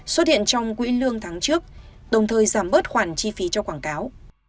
xuất hiện trong quỹ lương tháng trước đồng thời giảm bớt khoản chi phí cho quảng cáo